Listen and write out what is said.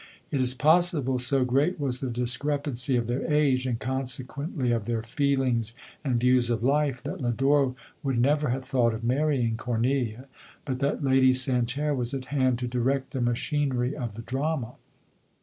It is possible, so great was LODORE. 113 the discrepancy of their age, and consequently of their feelings and views of life, that Lodore would never have thought of marrying Cor nelia, but that Lady Santerre was at hand to direct the machinery of the drama.